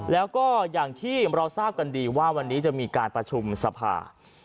แล้วก็อย่างที่เราทราบกันดีว่าวันนี้จะมีการประชุมสภา